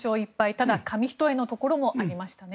ただ、紙一重のところもありましたね。